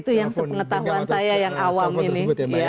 itu yang sepengetahuan saya yang awam ini